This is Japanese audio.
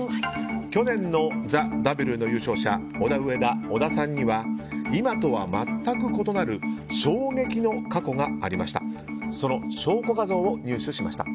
去年の「ＴＨＥＷ」の優勝者オダウエダ、小田さんには今とは全く異なる衝撃の過去がありました。